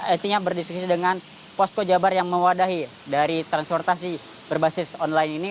artinya berdiskusi dengan posko jabar yang mewadahi dari transportasi berbasis online ini